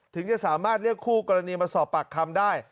ถึงจะสามารถเรียกคู่กรณีมาสอบปากคำได้